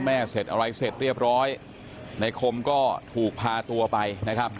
เสร็จอะไรเสร็จเรียบร้อยในคมก็ถูกพาตัวไปนะครับ